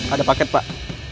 ada paket pak